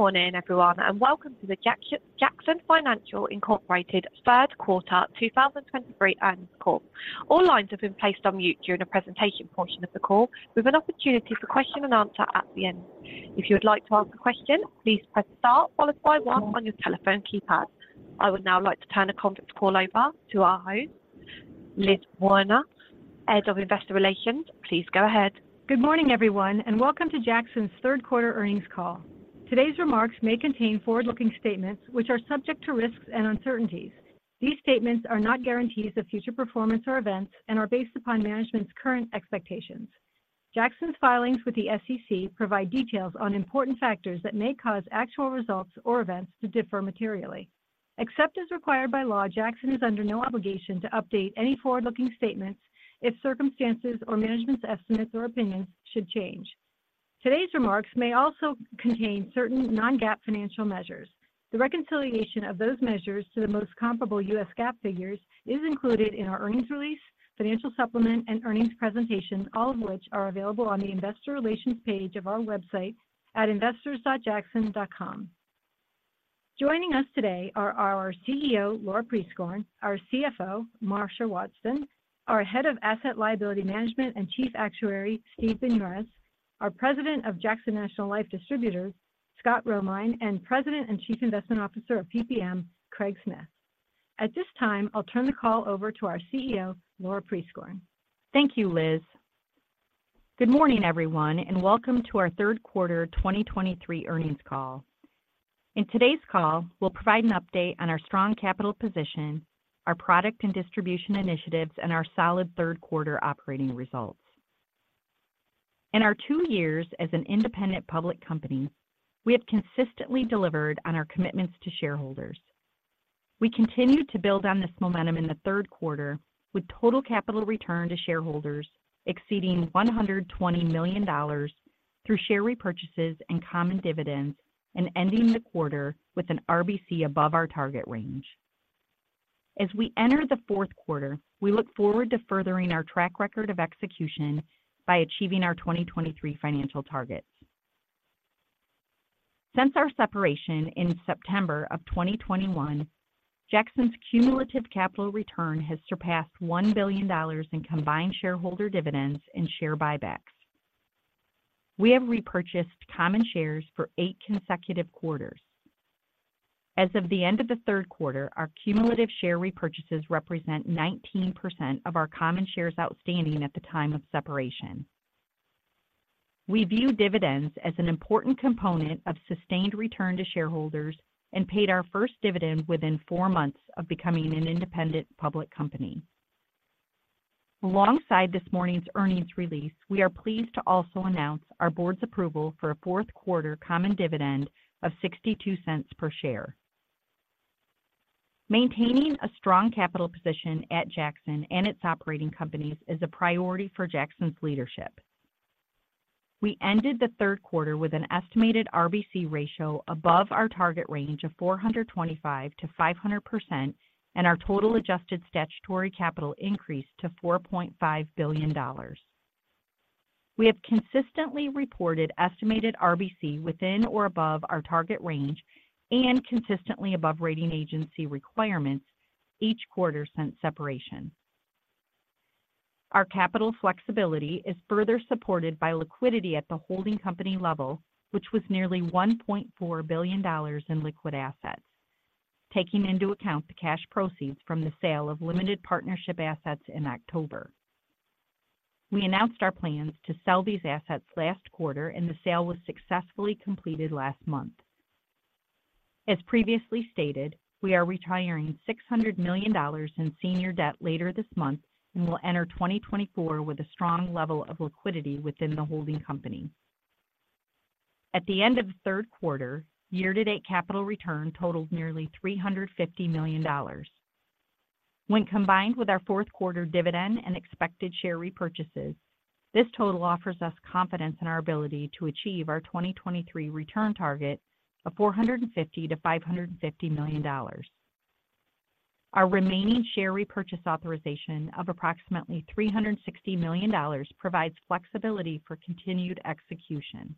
Good morning, everyone, and welcome to the Jackson Financial Incorporated third quarter 2023 earnings call. All lines have been placed on mute during the presentation portion of the call, with an opportunity for question and answer at the end. If you would like to ask a question, please press star followed by one on your telephone keypad. I would now like to turn the conference call over to our host, Liz Werner, Head of Investor Relations. Please go ahead. Good morning, everyone, and welcome to Jackson's third quarter earnings call. Today's remarks may contain forward-looking statements which are subject to risks and uncertainties. These statements are not guarantees of future performance or events and are based upon management's current expectations. Jackson's filings with the SEC provide details on important factors that may cause actual results or events to differ materially. Except as required by law, Jackson is under no obligation to update any forward-looking statements if circumstances or management's estimates or opinions should change. Today's remarks may also contain certain non-GAAP financial measures. The reconciliation of those measures to the most comparable U.S. GAAP figures is included in our earnings release, financial supplement, and earnings presentation, all of which are available on the investor relations page of our website at investors.jackson.com. Joining us today are our CEO, Laura Prieskorn, our CFO, Marcia Wadsten, our Head of Asset Liability Management and Chief Actuary, Steve Binioris, our President of Jackson National Life Distributors, Scott Romine, and President and Chief Investment Officer of PPM, Craig Smith. At this time, I'll turn the call over to our CEO, Laura Prieskorn. Thank you, Liz. Good morning, everyone, and welcome to our third quarter 2023 earnings call. In today's call, we'll provide an update on our strong capital position, our product and distribution initiatives, and our solid third quarter operating results. In our two years as an independent public company, we have consistently delivered on our commitments to shareholders. We continued to build on this momentum in the third quarter, with total capital return to shareholders exceeding $120 million through share repurchases and common dividends, and ending the quarter with an RBC above our target range. As we enter the fourth quarter, we look forward to furthering our track record of execution by achieving our 2023 financial targets. Since our separation in September 2021, Jackson's cumulative capital return has surpassed $1 billion in combined shareholder dividends and share buybacks. We have repurchased common shares for eight consecutive quarters. As of the end of the third quarter, our cumulative share repurchases represent 19% of our common shares outstanding at the time of separation. We view dividends as an important component of sustained return to shareholders and paid our first dividend within 4 months of becoming an independent public company. Alongside this morning's earnings release, we are pleased to also announce our board's approval for a fourth quarter common dividend of $0.62 per share. Maintaining a strong capital position at Jackson and its operating companies is a priority for Jackson's leadership. We ended the third quarter with an estimated RBC ratio above our target range of 425%-500%, and our total adjusted statutory capital increased to $4.5 billion. We have consistently reported estimated RBC within or above our target range and consistently above rating agency requirements each quarter since separation. Our capital flexibility is further supported by liquidity at the holding company level, which was nearly $1.4 billion in liquid assets, taking into account the cash proceeds from the sale of limited partnership assets in October. We announced our plans to sell these assets last quarter, and the sale was successfully completed last month. As previously stated, we are retiring $600 million in senior debt later this month and will enter 2024 with a strong level of liquidity within the holding company. At the end of the third quarter, year-to-date capital return totaled nearly $350 million. When combined with our fourth quarter dividend and expected share repurchases, this total offers us confidence in our ability to achieve our 2023 return target of $450 million-$550 million. Our remaining share repurchase authorization of approximately $360 million provides flexibility for continued execution.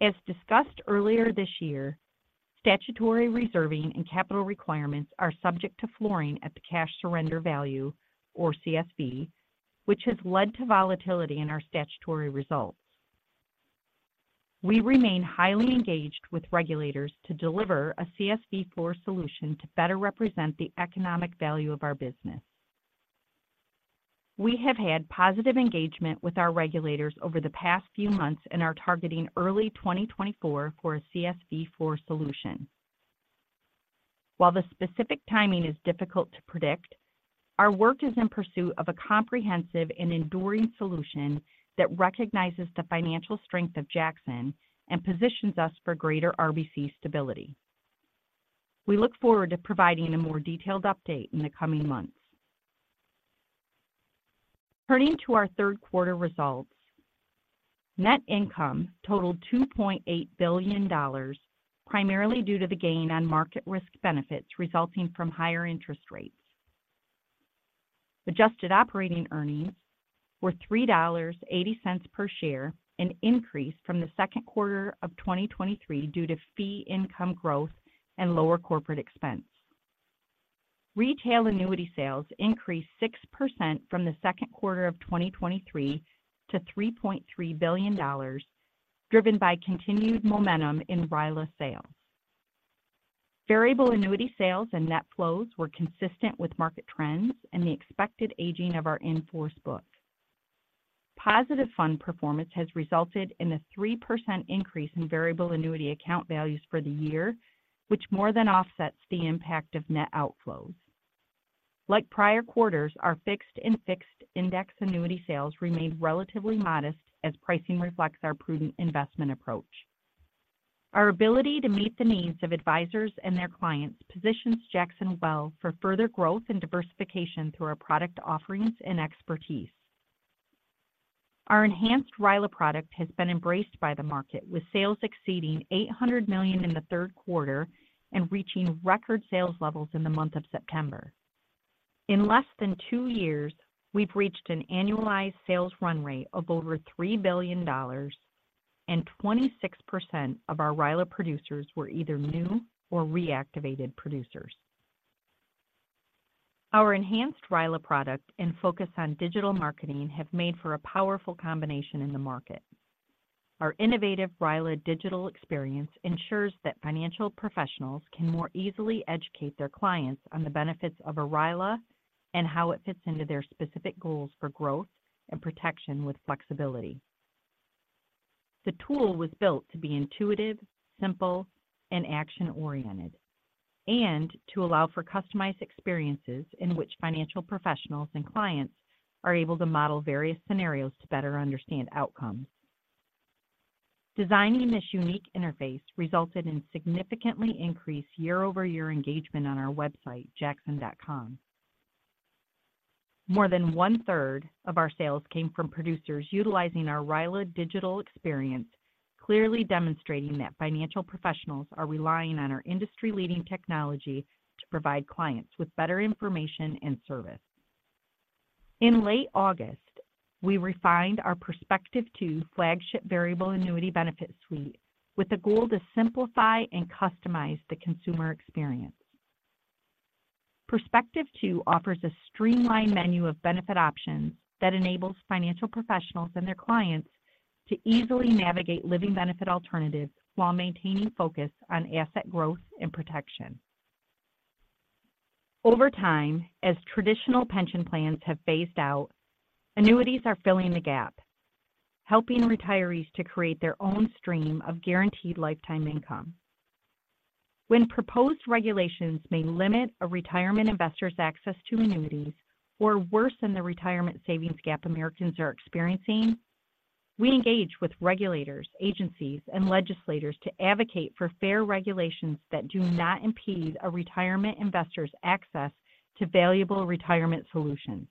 As discussed earlier this year, statutory reserving and capital requirements are subject to flooring at the cash surrender value, or CSV, which has led to volatility in our statutory results. We remain highly engaged with regulators to deliver a CSV floor solution to better represent the economic value of our business. We have had positive engagement with our regulators over the past few months and are targeting early 2024 for a CSV floor solution. While the specific timing is difficult to predict, our work is in pursuit of a comprehensive and enduring solution that recognizes the financial strength of Jackson and positions us for greater RBC stability. We look forward to providing a more detailed update in the coming months. Turning to our third quarter results, net income totaled $2.8 billion, primarily due to the gain on market risk benefits resulting from higher interest rates. Adjusted operating earnings were $3.80 per share, an increase from the second quarter of 2023 due to fee income growth and lower corporate expense. Retail annuity sales increased 6% from the second quarter of 2023 to $3.3 billion, driven by continued momentum in RILA sales. Variable annuity sales and net flows were consistent with market trends and the expected aging of our in-force book. Positive fund performance has resulted in a 3% increase in variable annuity account values for the year, which more than offsets the impact of net outflows. Like prior quarters, our fixed and fixed index annuity sales remained relatively modest as pricing reflects our prudent investment approach. Our ability to meet the needs of advisors and their clients positions Jackson well for further growth and diversification through our product offerings and expertise. Our enhanced RILA product has been embraced by the market, with sales exceeding $800 million in the third quarter and reaching record sales levels in the month of September. In less than two years, we've reached an annualized sales run rate of over $3 billion, and 26% of our RILA producers were either new or reactivated producers. Our enhanced RILA product and focus on digital marketing have made for a powerful combination in the market. Our innovative RILA digital experience ensures that financial professionals can more easily educate their clients on the benefits of a RILA and how it fits into their specific goals for growth and protection with flexibility. The tool was built to be intuitive, simple, and action-oriented, and to allow for customized experiences in which financial professionals and clients are able to model various scenarios to better understand outcomes. Designing this unique interface resulted in significantly increased year-over-year engagement on our website, Jackson.com. More than one third of our sales came from producers utilizing our RILA digital experience, clearly demonstrating that financial professionals are relying on our industry-leading technology to provide clients with better information and service. In late August, we refined our Perspective II flagship variable annuity benefit suite with the goal to simplify and customize the consumer experience. Perspective II offers a streamlined menu of benefit options that enables financial professionals and their clients to easily navigate living benefit alternatives while maintaining focus on asset growth and protection. Over time as traditional pension plans have phased out, annuities are filling the gap, helping retirees to create their own stream of guaranteed lifetime income. When proposed regulations may limit a retirement investor's access to annuities or worsen the retirement savings gap Americans are experiencing, we engage with regulators, agencies, and legislators to advocate for fair regulations that do not impede a retirement investor's access to valuable retirement solutions.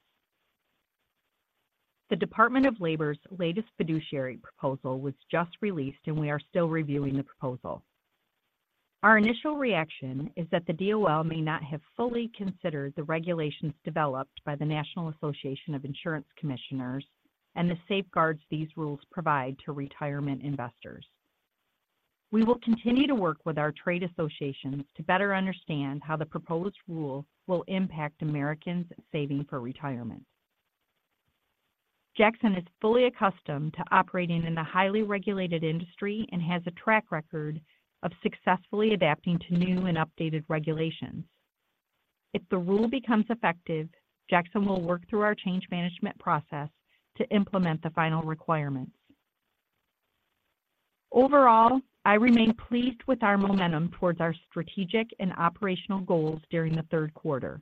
The Department of Labor's latest fiduciary proposal was just released, and we are still reviewing the proposal. Our initial reaction is that the DOL may not have fully considered the regulations developed by the National Association of Insurance Commissioners and the safeguards these rules provide to retirement investors. We will continue to work with our trade associations to better understand how the proposed rule will impact Americans saving for retirement. Jackson is fully accustomed to operating in a highly regulated industry and has a track record of successfully adapting to new and updated regulations. If the rule becomes effective Jackson will work through our change management process to implement the final requirements. Overall, I remain pleased with our momentum towards our strategic and operational goals during the third quarter.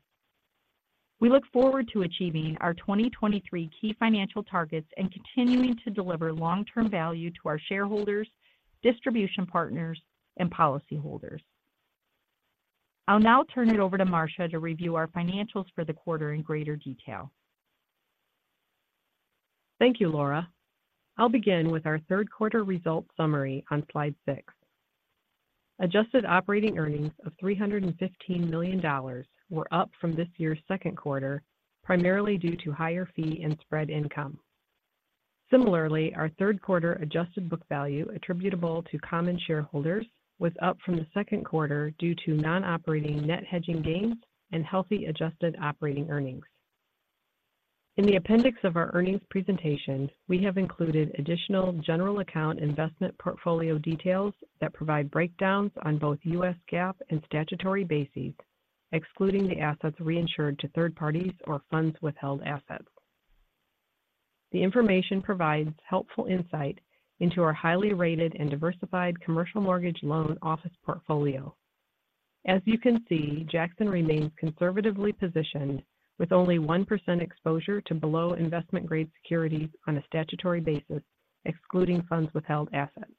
We look forward to achieving our 2023 key financial targets and continuing to deliver long-term value to our shareholders, distribution partners, and policyholders. I'll now turn it over to Marcia to review our financials for the quarter in greater detail. Thank you, Laura. I'll begin with our third quarter results summary on slide six. Adjusted operating earnings of $315 million were up from this year's second quarter, primarily due to higher fee and spread income. Similarly, our third quarter adjusted book value attributable to common shareholders was up from the second quarter due to non-operating net hedging gains and healthy adjusted operating earnings. In the appendix of our earnings presentation, we have included additional general account investment portfolio details that provide breakdowns on both U.S. GAAP and statutory bases, excluding the assets reinsured to third parties or funds withheld assets. The information provides helpful insight into our highly rated and diversified commercial mortgage loan office portfolio. As you can see, Jackson remains conservatively positioned with only 1% exposure to below investment grade securities on a statutory basis, excluding funds withheld assets.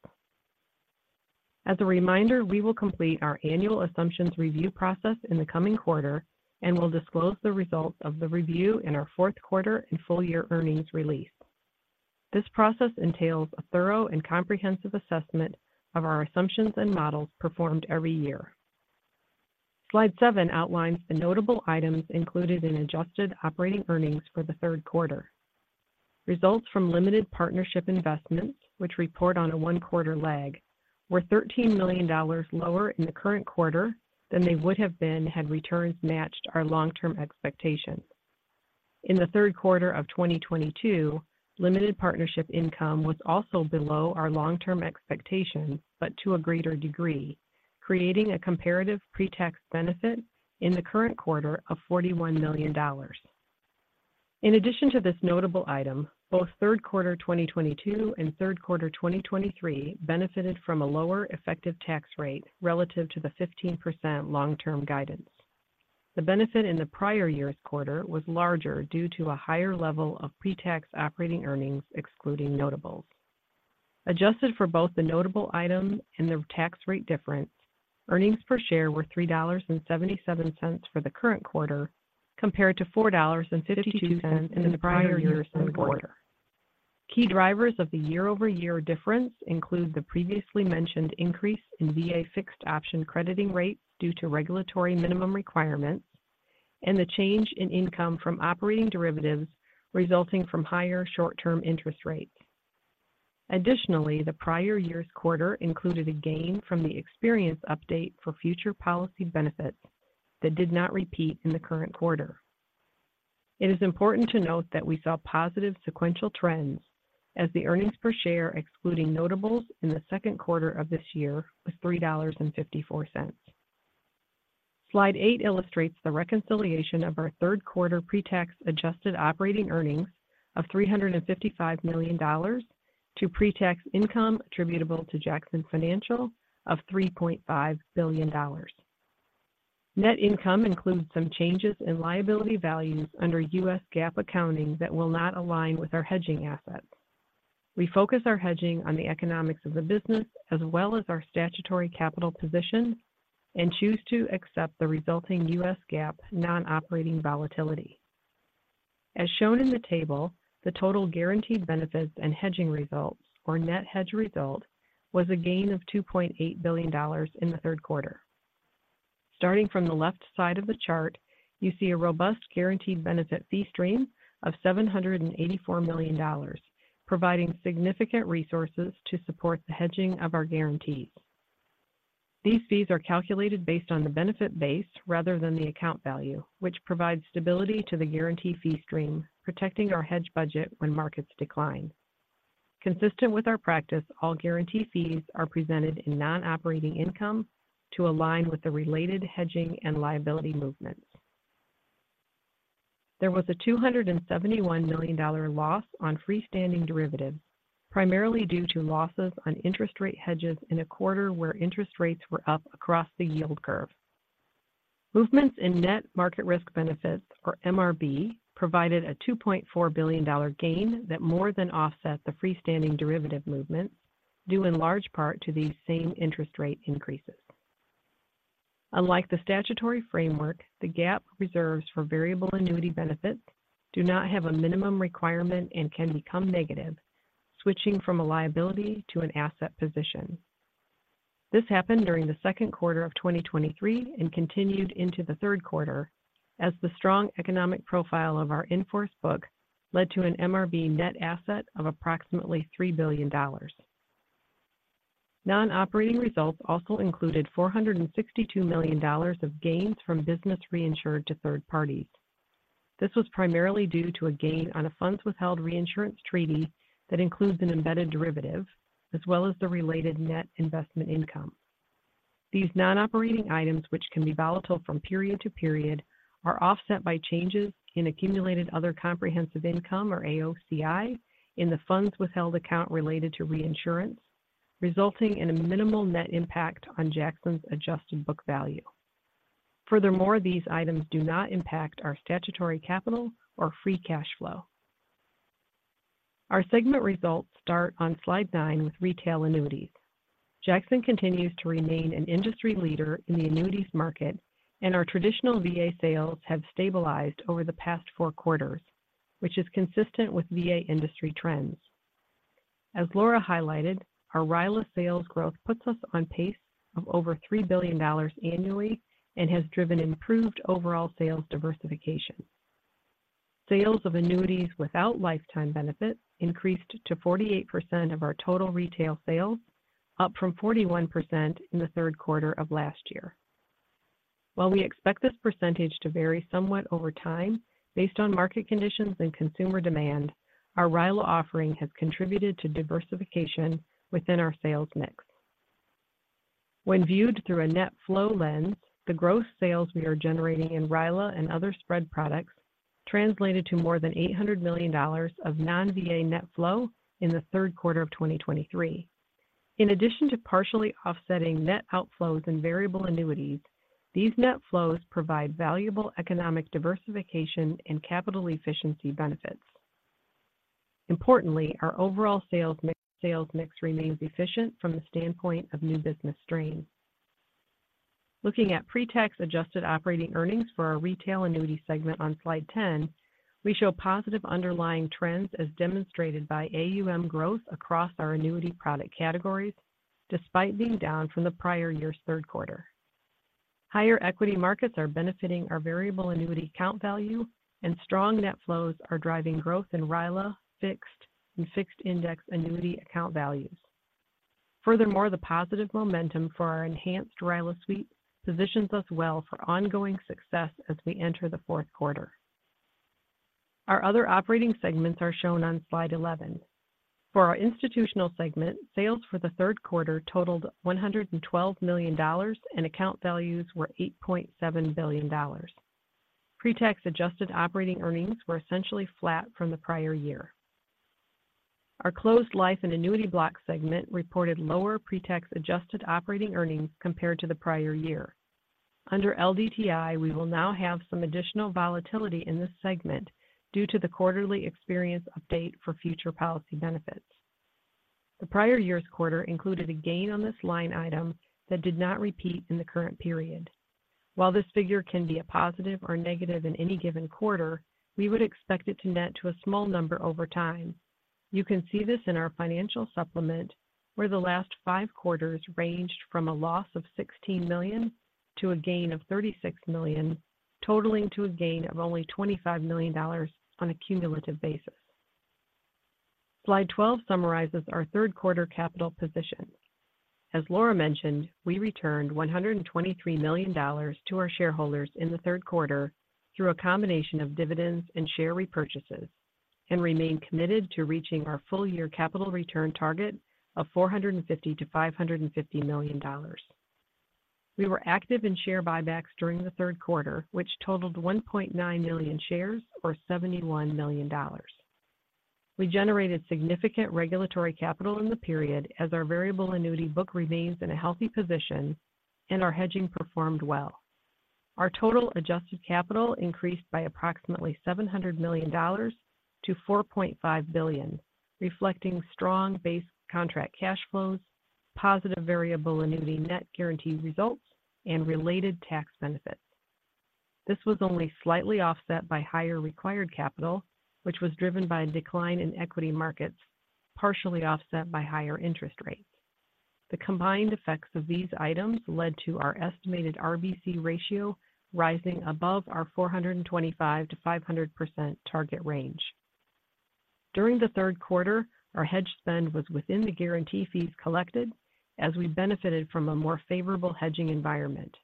As a reminder, we will complete our annual assumptions review process in the coming quarter and will disclose the results of the review in our fourth quarter and full year earnings release. This process entails a thorough and comprehensive assessment of our assumptions and models performed every year. Slide seven outlines the notable items included in adjusted operating earnings for the third quarter. Results from limited partnership investments, which report on a one-quarter lag, were $13 million lower in the current quarter than they would have been had returns matched our long-term expectations. In the third quarter of 2022, limited partnership income was also below our long-term expectations, but to a greater degree, creating a comparative pre-tax benefit in the current quarter of $41 million. In addition to this notable item, both third quarter 2022 and third quarter 2023 benefited from a lower effective tax rate relative to the 15% long-term guidance. The benefit in the prior year's quarter was larger due to a higher level of pre-tax operating earnings, excluding notables. Adjusted for both the notable item and the tax rate difference, earnings per share were $3.77 for the current quarter, compared to $4.52 in the prior year's quarter. Key drivers of the year-over-year difference include the previously mentioned increase in VA fixed option crediting rates due to regulatory minimum requirements and the change in income from operating derivatives resulting from higher short-term interest rates. Additionally, the prior year's quarter included a gain from the experience update for future policy benefits that did not repeat in the current quarter. It is important to note that we saw positive sequential trends as the earnings per share, excluding notables in the second quarter of this year, was $3.54. Slide eight illustrates the reconciliation of our third quarter pretax adjusted operating earnings of $355 million to pretax income attributable to Jackson Financial of $3.5 billion. Net income includes some changes in liability values under U.S. GAAP accounting that will not align with our hedging assets. We focus our hedging on the economics of the business, as well as our statutory capital position, and choose to accept the resulting U.S. GAAP non-operating volatility. As shown in the table, the total guaranteed benefits and hedging results or net hedge result, was a gain of $2.8 billion in the third quarter. Starting from the left side of the chart, you see a robust guaranteed benefit fee stream of $784 million, providing significant resources to support the hedging of our guarantees. These fees are calculated based on the benefit base rather than the account value, which provides stability to the guarantee fee stream, protecting our hedge budget when markets decline. Consistent with our practice, all guarantee fees are presented in non-operating income to align with the related hedging and liability movements. There was a $271 million loss on freestanding derivatives, primarily due to losses on interest rate hedges in a quarter where interest rates were up across the yield curve. Movements in net market risk benefits or MRB, provided a $2.4 billion gain that more than offset the freestanding derivative movement, due in large part to these same interest rate increases. Unlike the statutory framework, the GAAP reserves for variable annuity benefits do not have a minimum requirement and can become negative, switching from a liability to an asset position. This happened during the second quarter of 2023 and continued into the third quarter as the strong economic profile of our in-force book led to an MRB net asset of approximately $3 billion. Non-operating results also included $462 million of gains from business reinsured to third parties. This was primarily due to a gain on a funds withheld reinsurance treaty that includes an embedded derivative, as well as the related net investment income. These non-operating items, which can be volatile from period to period, are offset by changes in accumulated other comprehensive income, or AOCI, in the funds withheld account related to reinsurance, resulting in a minimal net impact on Jackson's adjusted book value. Furthermore, these items do not impact our statutory capital or free cash flow. Our segment results start on slide nine with retail annuities. Jackson continues to remain an industry leader in the annuities market, and our traditional VA sales have stabilized over the past four quarters, which is consistent with VA industry trends. As Laura highlighted, our RILA sales growth puts us on pace of over $3 billion annually and has driven improved overall sales diversification. Sales of annuities without lifetime benefits increased to 48% of our total retail sales, up from 41% in the third quarter of last year. While we expect this percentage to vary somewhat over time based on market conditions and consumer demand, our RILA offering has contributed to diversification within our sales mix. When viewed through a net flow lens, the gross sales we are generating in RILA and other spread products translated to more than $800 million of non-VA net flow in the third quarter of 2023. In addition to partially offsetting net outflows in variable annuities, these net flows provide valuable economic diversification and capital efficiency benefits. Importantly, our overall sales mix remains efficient from the standpoint of new business streams. Looking at pretax adjusted operating earnings for our retail annuity segment on slide 10, we show positive underlying trends as demonstrated by AUM growth across our annuity product categories, despite being down from the prior year's third quarter. Higher equity markets are benefiting our variable annuity account value, and strong net flows are driving growth in RILA, fixed, and fixed index annuity account values. Furthermore, the positive momentum for our enhanced RILA suite positions us well for ongoing success as we enter the fourth quarter. Our other operating segments are shown on slide 11. For our institutional segment, sales for the third quarter totaled $112 million, and account values were $8.7 billion. Pretax adjusted operating earnings were essentially flat from the prior year. Our closed life and annuity block segment reported lower pretax adjusted operating earnings compared to the prior year. Under LDTI, we will now have some additional volatility in this segment due to the quarterly experience update for future policy benefits. The prior year's quarter included a gain on this line item that did not repeat in the current period. While this figure can be a positive or negative in any given quarter, we would expect it to net to a small number over time. You can see this in our financial supplement, where the last five quarters ranged from a loss of $16 million to a gain of $36 million, totaling to a gain of only $25 million on a cumulative basis. Slide 12 summarizes our third quarter capital position. As Laura mentioned, we returned $123 million to our shareholders in the third quarter through a combination of dividends and share repurchases, and remain committed to reaching our full-year capital return target of $450 million-$550 million. We were active in share buybacks during the third quarter, which totaled 1.9 million shares, or $71 million. We generated significant regulatory capital in the period as our variable annuity book remains in a healthy position and our hedging performed well. Our Total Adjusted Capital increased by approximately $700 million-$4.5 billion, reflecting strong base contract cash flows, positive variable annuity net guarantee results, and related tax benefits. This was only slightly offset by higher required capital, which was driven by a decline in equity markets, partially offset by higher interest rates. The combined effects of these items led to our estimated RBC ratio rising above our 425%-500% target range. During the third quarter, our hedge spend was within the guarantee fees collected as we benefited from a more favorable hedging environment.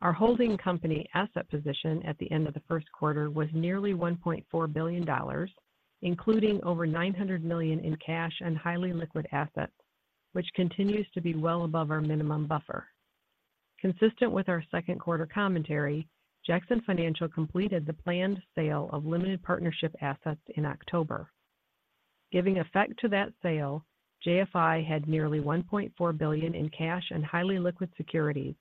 Our holding company asset position at the end of the first quarter was nearly $1.4 billion, including over $900 million in cash and highly liquid assets, which continues to be well above our minimum buffer. Consistent with our second quarter commentary, Jackson Financial completed the planned sale of limited partnership assets in October. Giving effect to that sale, JFI had nearly $1.4 billion in cash and highly liquid securities,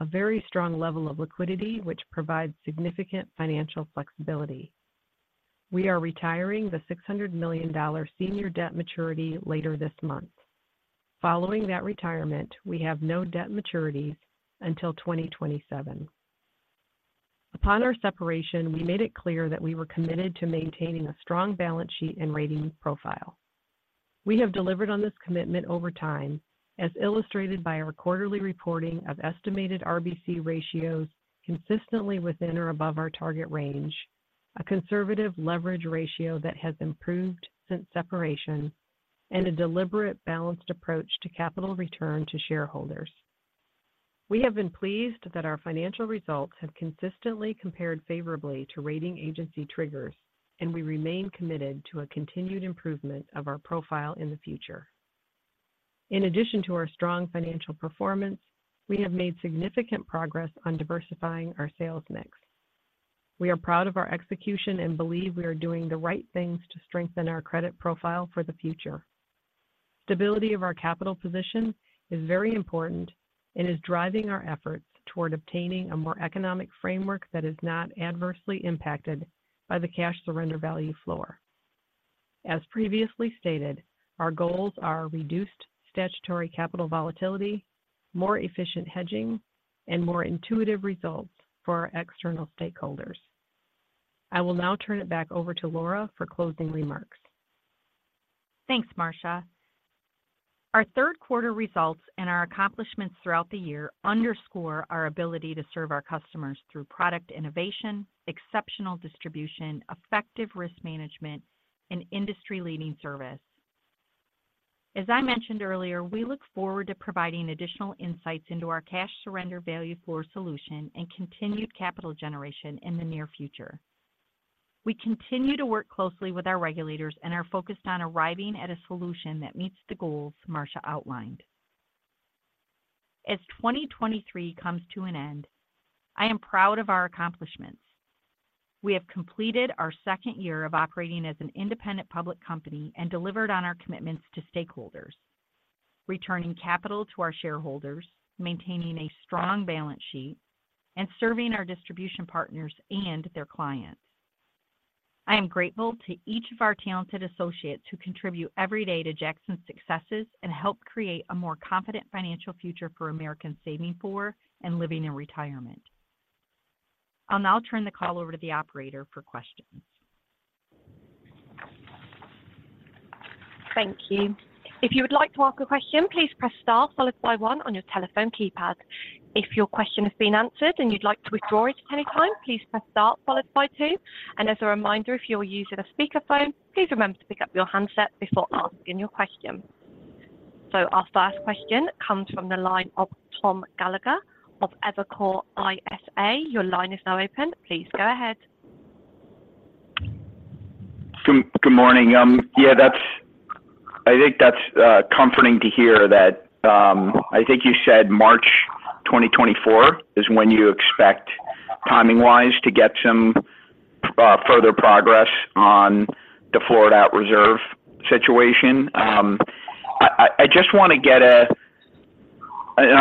a very strong level of liquidity, which provides significant financial flexibility. We are retiring the $600 million senior debt maturity later this month. Following that retirement, we have no debt maturities until 2027. Upon our separation, we made it clear that we were committed to maintaining a strong balance sheet and rating profile. We have delivered on this commitment over time, as illustrated by our quarterly reporting of estimated RBC ratios consistently within or above our target range, a conservative leverage ratio that has improved since separation, and a deliberate balanced approach to capital return to shareholders. We have been pleased that our financial results have consistently compared favorably to rating agency triggers, and we remain committed to a continued improvement of our profile in the future. In addition to our strong financial performance, we have made significant progress on diversifying our sales mix. We are proud of our execution and believe we are doing the right things to strengthen our credit profile for the future. Stability of our capital position is very important and is driving our efforts toward obtaining a more economic framework that is not adversely impacted by the cash surrender value floor. As previously stated, our goals are reduced statutory capital volatility, more efficient hedging, and more intuitive results for our external stakeholders. I will now turn it back over to Laura for closing remarks. Thanks, Marcia. Our third quarter results and our accomplishments throughout the year underscore our ability to serve our customers through product innovation, exceptional distribution, effective risk management, and industry-leading service. As I mentioned earlier, we look forward to providing additional insights into our cash surrender value floor solution and continued capital generation in the near future. We continue to work closely with our regulators and are focused on arriving at a solution that meets the goals Marcia outlined. As 2023 comes to an end I am proud of our accomplishments. We have completed our second year of operating as an independent public company and delivered on our commitments to stakeholders, returning capital to our shareholders, maintaining a strong balance sheet and serving our distribution partners and their clients. I am grateful to each of our talented associates who contribute every day to Jackson's successes and help create a more confident financial future for Americans saving for and living in retirement. I'll now turn the call over to the operator for questions. Thank you. If you would like to ask a question, please press star followed by one on your telephone keypad. If your question has been answered and you'd like to withdraw it at any time, please press star followed by two. And as a reminder, if you are using a speakerphone, please remember to pick up your handset before asking your question. So our first question comes from the line of Tom Gallagher of Evercore ISI. Your line is now open. Please go ahead. Good morning. Yeah, that's-- I think that's comforting to hear that. I think you said March 2024 is when you expect timing-wise to get some further progress on the Florida OIR Reserve situation. I'm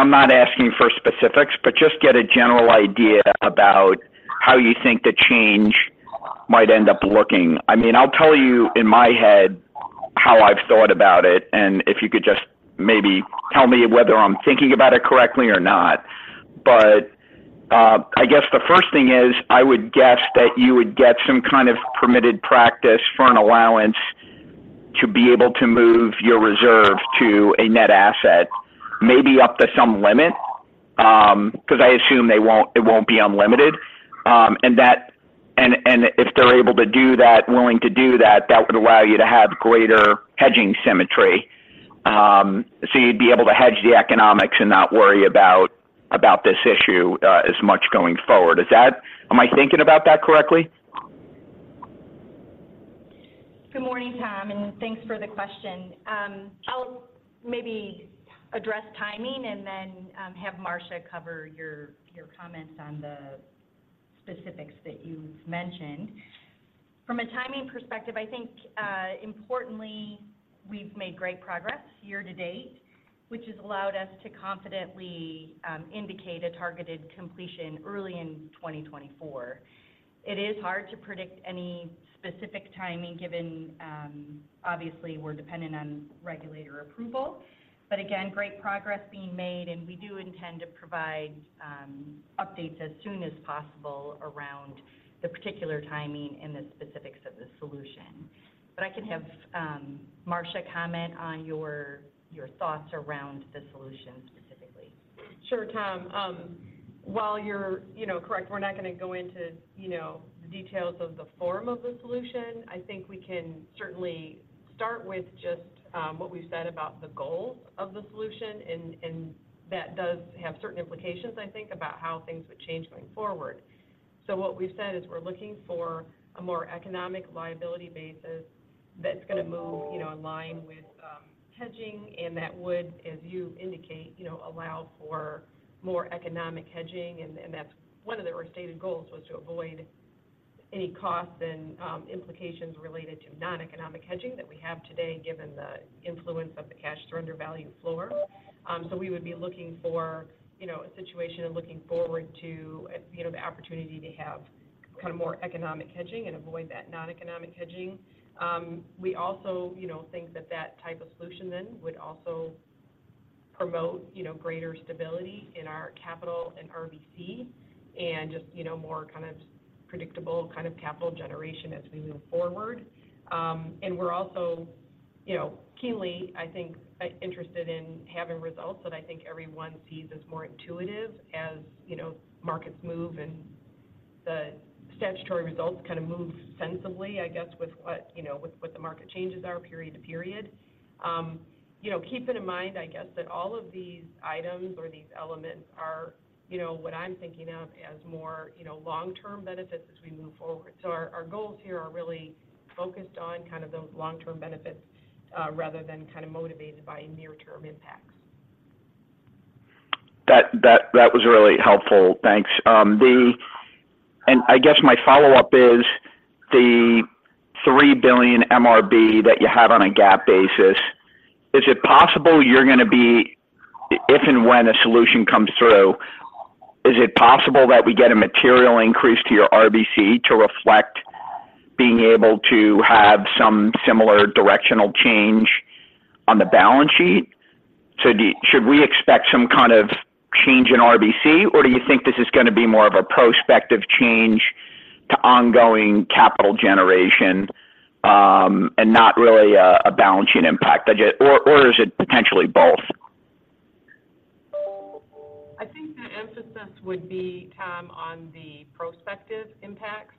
not asking for specifics, but just get a general idea about how you think the change might end up looking. I mean, I'll tell you in my head how I've thought about it, and if you could just maybe tell me whether I'm thinking about it correctly or not. But I guess the first thing is, I would guess that you would get some kind of permitted practice for an allowance to be able to move your reserve to a net asset, maybe up to some limit, because I assume they won't be unlimited. And if they're able to do that, willing to do that, that would allow you to have greater hedging symmetry. So you'd be able to hedge the economics and not worry about this issue as much going forward. Is that? Am I thinking about that correctly? Good morning, Tom, and thanks for the question. I'll maybe address timing and then have Marcia cover your, your comments on the specifics that you've mentioned. From a timing perspective, I think, importantly, we've made great progress year to date, which has allowed us to confidently indicate a targeted completion early in 2024. It is hard to predict any specific timing, given, obviously, we're dependent on regulator approval. But again, great progress being made, and we do intend to provide updates as soon as possible around the particular timing and the specifics of the solution. But I can have Marcia comment on your, your thoughts around the solution specifically. Sure, Tom. While you're, you know, correct, we're not going to go into, you know, the details of the form of the solution, I think we can certainly start with just what we've said about the goal of the solution, and that does have certain implications, I think, about how things would change going forward. So what we've said is we're looking for a more economic liability basis that's going to move, you know, in line with hedging, and that would, as you indicate, you know, allow for more economic hedging, and that's one of the restated goals, was to avoid any costs and implications related to non-economic hedging that we have today, given the influence of the cash surrender value floor. So we would be looking for, you know, a situation and looking forward to, you know, the opportunity to have kind of more economic hedging and avoid that non-economic hedging. We also, you know, think that that type of solution then would also promote, you know, greater stability in our capital and RBC and just, you know, more kind of predictable kind of capital generation as we move forward. And we're also, you know, keenly, I think, interested in having results that I think everyone sees as more intuitive as, you know, markets move and the statutory results kind of move sensibly, I guess, with what, you know, with what the market changes are period to period. You know, keeping in mind, I guess, that all of these items or these elements are, you know, what I'm thinking of as more, you know, long-term benefits as we move forward. So our goals here are really focused on kind of those long-term benefits, rather than kind of motivated by near-term impacts. That was really helpful. Thanks. The... And I guess my follow-up is, the $3 billion MRB that you have on a GAAP basis is it possible you're going to be, if and when a solution comes through, is it possible that we get a material increase to your RBC to reflect being able to have some similar directional change on the balance sheet? Should we expect some kind of change in RBC, or do you think this is going to be more of a prospective change to ongoing capital generation, and not really a balance sheet impact? I just, or is it potentially both? I think the emphasis would be, Tom, on the prospective impacts.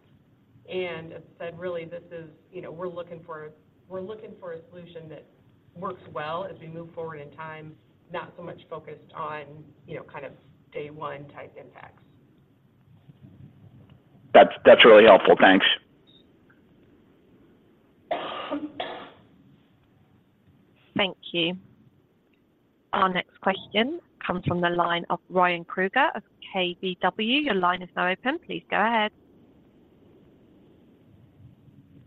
As I said, really, this is, you know, we're looking for, we're looking for a solution that works well as we move forward in time, not so much focused on, you know, kind of day one type impacts. That's, that's really helpful. Thanks. Thank you. Our next question comes from the line of Ryan Krueger of KBW. Your line is now open. Please go ahead.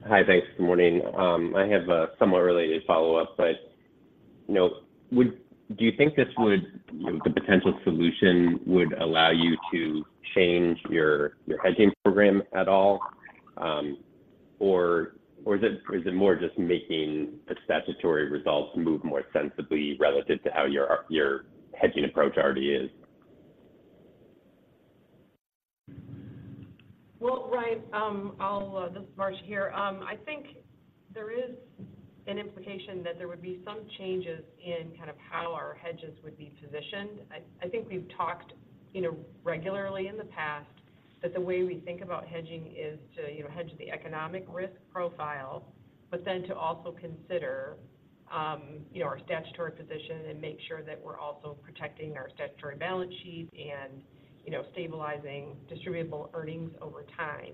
Hi, thanks. Good morning. I have a somewhat related follow-up, but you know, would you think this would, you know, the potential solution would allow you to change your, your hedging program at all, or is it, is it more just making the statutory results move more sensibly relative to how your, your hedging approach already is? Well, Ryan, This is Marcia here. I think there is an implication that there would be some changes in kind of how our hedges would be positioned. I think we've talked, you know, regularly in the past, that the way we think about hedging is to, you know, hedge the economic risk profile, but then to also consider, you know, our statutory position and make sure that we're also protecting our statutory balance sheet and, you know, stabilizing distributable earnings over time.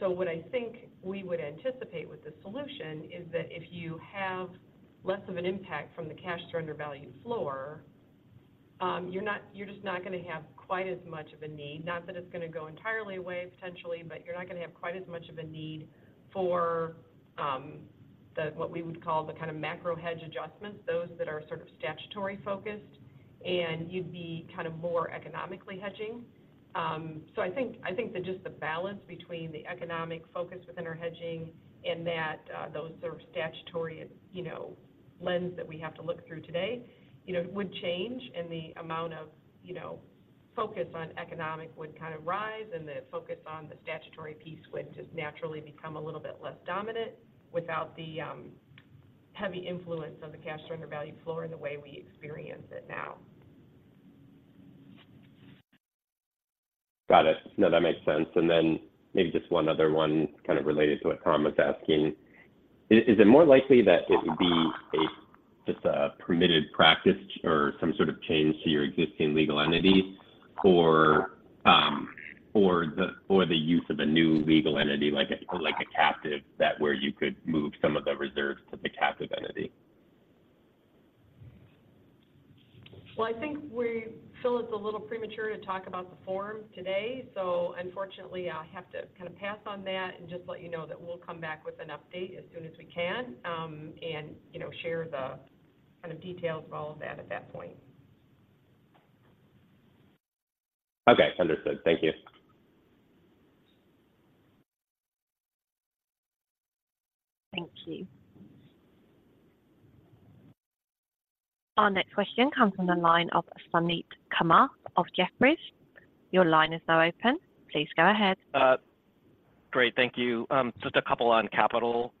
So what I think we would anticipate with this solution is that if you have less of an impact from the Cash Surrender Value floor, you're just not gonna have quite as much of a need, not that it's gonna go entirely away, potentially, but you're not gonna have quite as much of a need for what we would call the kind of macro hedge adjustments, those that are sort of statutory focused, and you'd be kind of more economically hedging. So I think, I think that just the balance between the economic focus within our hedging and that, those sort of statutory, you know, lens that we have to look through today, you know, would change and the amount of focus on economic would kind of rise, and the focus on the statutory piece would just naturally become a little bit less dominant without the, heavy influence of the cash surrender value floor and the way we experience it now. Got it. No, that makes sense. And then maybe just one other one, kind of related to what Tom was asking. Is it more likely that it would be a just a permitted practice or some sort of change to your existing legal entity or the use of a new legal entity, like a captive, where you could move some of the reserves to the captive entity? Well, I think we feel it's a little premature to talk about the form today, so unfortunately, I have to kind of pass on that and just let you know that we'll come back with an update as soon as we can, and share the kind of details of all of that at that point. Okay, understood. Thank you. Thank you. Our next question comes from the line of Suneet Kamath of Jefferies. Your line is now open. Please go ahead. Great, thank you. Just a couple on capital.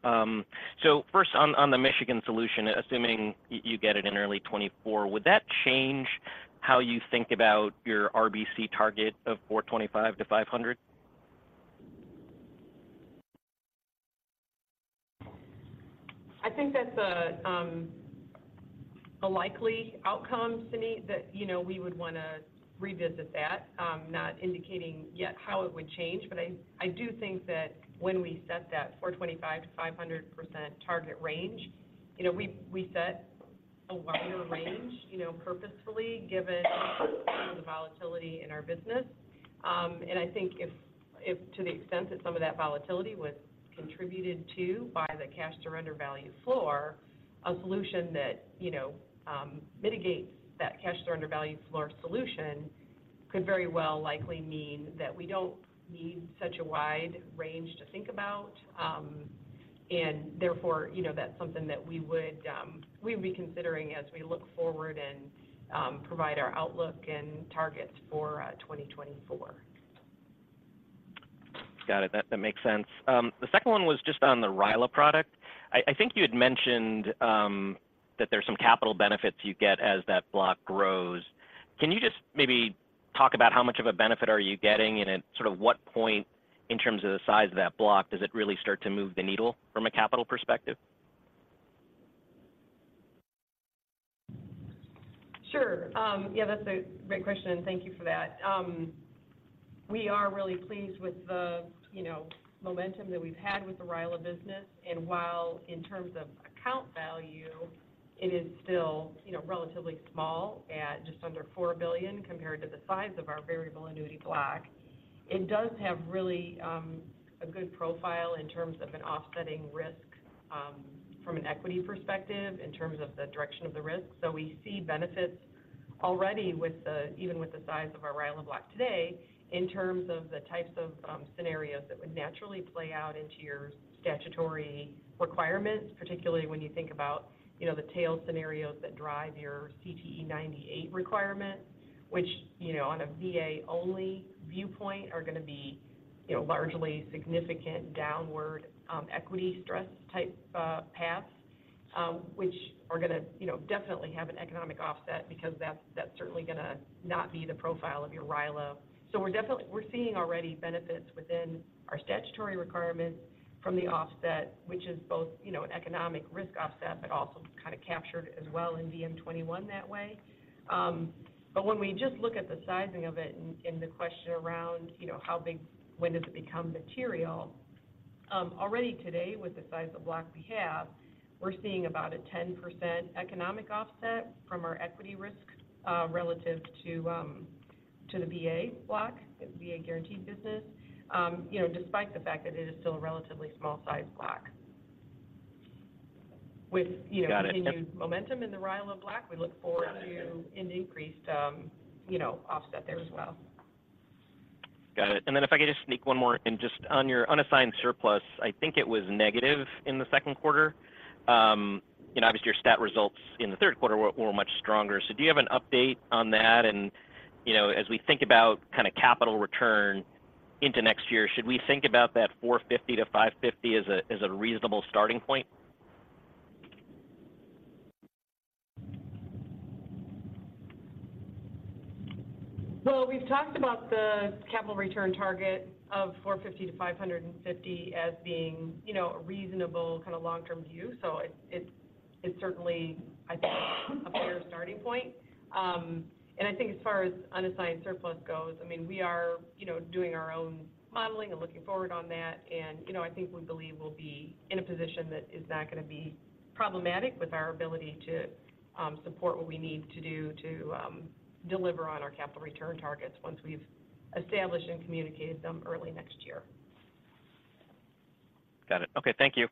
So first on the Michigan solution, assuming you get it in early 2024, would that change how you think about your RBC target of 425%-500%? I think that's a likely outcome, Suneet that, you know, we would wanna revisit that, not indicating yet how it would change, but I do think that when we set that 425%-500% target range, you know, we set a wider range, you know, purposefully, given the volatility in our business. And I think if to the extent that some of that volatility was contributed to by the cash surrender value floor, a solution that, you know, mitigates that cash surrender value floor solution, could very well likely mean that we don't need such a wide range to think about. And therefore, you know, that's something that we would, we'd be considering as we look forward and provide our outlook and targets for 2024. Got it. That makes sense. The second one was just on the RILA product. I think you had mentioned that there's some capital benefits you get as that block grows. Can you just maybe talk about how much of a benefit are you getting, and at sort of what point in terms of the size of that block, does it really start to move the needle from a capital perspective? Sure. Yeah, that's a great question, and thank you for that. We are really pleased with the, you know, momentum that we've had with the RILA business, and while in terms of account value, it is still, you know, relatively small at just under $4 billion, compared to the size of our variable annuity block, it does have really a good profile in terms of an offsetting risk, from an equity perspective, in terms of the direction of the risk. So we see benefits already with the, even with the size of our RILA block today, in terms of the types of scenarios that would naturally play out into your statutory requirements, particularly when you think about, you know, the tail scenarios that drive your CTE 98 requirement, which, you know, on a VA-only viewpoint, are gonna be, you know, largely significant downward equity stress type paths, which are gonna, you know, definitely have an economic offset because that's, that's certainly gonna not be the profile of your RILA. So we're definitely seeing already benefits within our statutory requirements from the offset, which is both, you know, an economic risk offset, but also kind of captured as well in VM-21 that way. But when we just look at the sizing of it and the question around, you know, how big, when does it become material? Already today, with the size of block we have, we're seeing about a 10% economic offset from our equity risk relative to the VA block, the VA guaranteed business despite the fact that it is still a relatively small size block. With, you know- Got it. - continued momentum in the RILA block, we look forward to- Got it. - an increased, you know, offset there as well. Got it. And then if I could just sneak one more in, just on your unassigned surplus, I think it was negative in the second quarter. And obviously, your stat results in the third quarter were much stronger. So do you have an update on that? And, you know, as we think about kind of capital return into next year, should we think about that $450-$550 as a reasonable starting point? Well, we've talked about the capital return target of $450-$550 as being, you know, a reasonable kind of long-term view. So it is certainly, I think, a fair starting point. And I think as far as unassigned surplus goes, I mean, we are, you know, doing our own modeling and looking forward on that. And, you know, I think we believe we'll be in a position that is not going to be problematic with our ability to support what we need to do to deliver on our capital return targets once we've established and communicated them early next year. Got it. Okay. Thank you.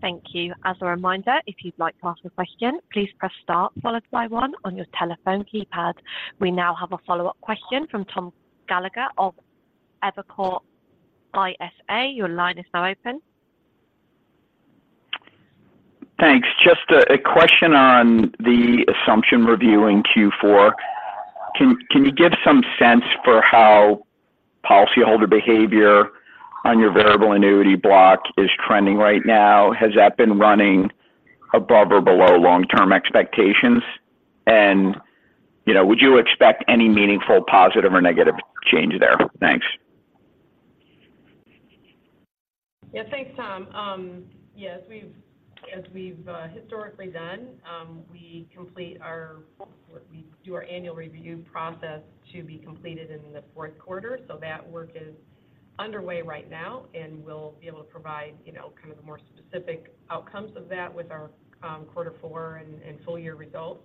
Thank you. As a reminder, if you'd like to ask a question, please press star followed by one on your telephone keypad. We now have a follow-up question from Tom Gallagher of Evercore ISI. Your line is now open. Thanks. Just a question on the assumption review in Q4. Can you give some sense for how policyholder behavior on your variable annuity block is trending right now? Has that been running above or below long-term expectations? And, you know, would you expect any meaningful, positive, or negative change there? Thanks. Yeah. Thanks, Tom. Yes, we've, as we've historically done, we complete our... We do our annual review process to be completed in the fourth quarter, so that work is underway right now, and we'll be able to provide, you know, kind of the more specific outcomes of that with our quarter four and full year results.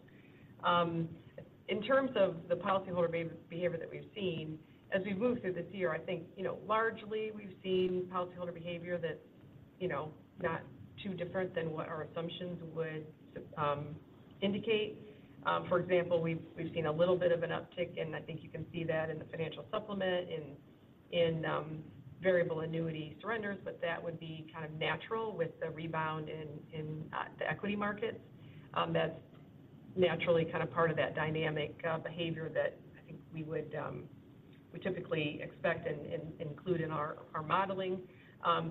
In terms of the policyholder behavior that we've seen, as we move through this year, I think, you know, largely we've seen policyholder behavior that's, you know, not too different than what our assumptions would indicate. For example, we've seen a little bit of an uptick, and I think you can see that in the financial supplement in variable annuity surrenders, but that would be kind of natural with the rebound in the equity markets. That's naturally kind of part of that dynamic behavior that I think we would typically expect and include in our modeling.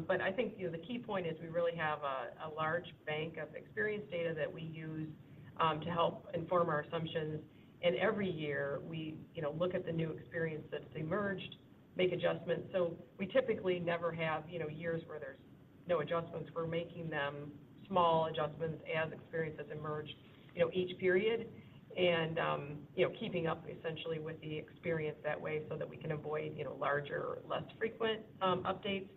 But I think, you know, the key point is we really have a large bank of experience data that we use to help inform our assumptions. And every year we, you know, look at the new experience that's emerged, make adjustments. So we typically never have, you know, years where there's no adjustments. We're making them, small adjustments, as experience has emerged, you know, each period. And, you know, keeping up essentially with the experience that way so that we can avoid, you know, larger, less frequent updates.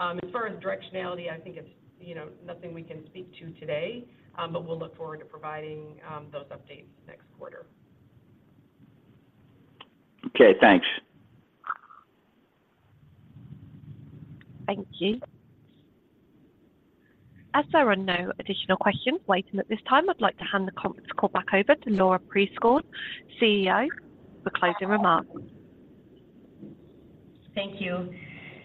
As far as directionality, I think it's, you know, nothing we can speak to today, but we'll look forward to providing those updates next quarter. Okay, thanks. Thank you. As there are no additional questions waiting at this time, I'd like to hand the conference call back over to Laura Prieskorn, CEO, for closing remarks. Thank you.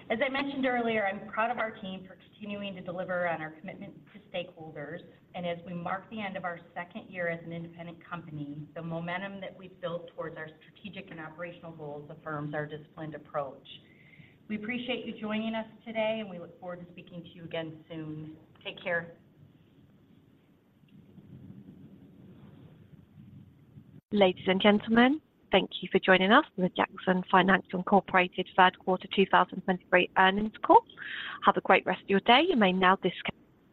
As I mentioned earlier, I'm proud of our team for continuing to deliver on our commitment to stakeholders. As we mark the end of our second year as an independent company, the momentum that we've built towards our strategic and operational goals affirms our disciplined approach. We appreciate you joining us today, and we look forward to speaking to you again soon. Take care. Ladies and gentlemen, thank you for joining us for the Jackson Financial Inc. third quarter 2023 earnings call. Have a great rest of your day. You may now disconnect.